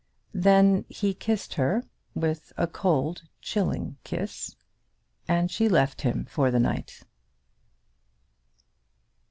Then he kissed her, with a cold, chilling kiss, and she left him for the night.